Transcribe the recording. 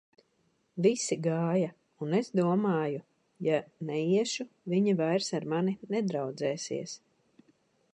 Visi gāja, un es domāju: ja neiešu, viņi vairs ar mani nedraudzēsies.